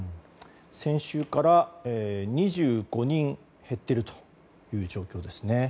先週から２５人減っている状況ですね。